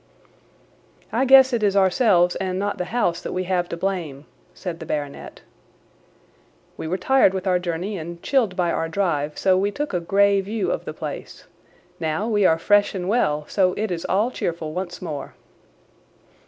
"I guess it is ourselves and not the house that we have to blame!" said the baronet. "We were tired with our journey and chilled by our drive, so we took a grey view of the place. Now we are fresh and well, so it is all cheerful once more."